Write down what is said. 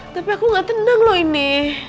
tapi aku gak tenang loh ini